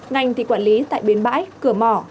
ngành thì quản lý tại bến bãi cửa mỏ